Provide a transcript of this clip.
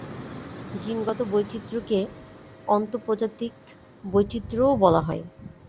জিনগত বৈচিত্র্য কে অন্তঃপ্রজাতিক বৈচিত্র্যও বলা হয়।